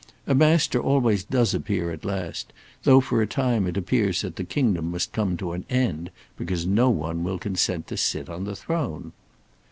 A Master always does appear at last; though for a time it appears that the kingdom must come to an end because no one will consent to sit on the throne.